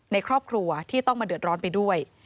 ในครอบครัวที่ต้องมาเดือดร้อนไปด้วย